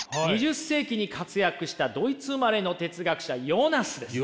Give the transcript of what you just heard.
２０世紀に活躍したドイツ生まれの哲学者ヨナスです。